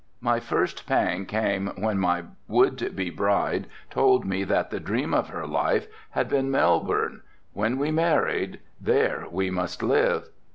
My first pang came when my would be bride told me that the dream of her life had been Melbourne, when we married there we must live.